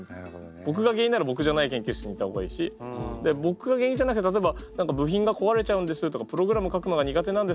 ぼくが原因ならぼくじゃない研究室に行った方がいいしぼくが原因じゃなきゃ例えば「部品がこわれちゃうんですよ」とか「プログラム書くのが苦手なんですよ」